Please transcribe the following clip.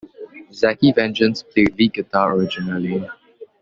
Zacky Vengeance played lead guitar originally.